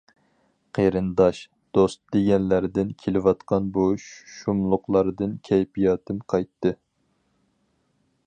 قېرىنداش، دوست دېگەنلەردىن كېلىۋاتقان بۇ شۇملۇقلاردىن كەيپىياتىم قايتتى.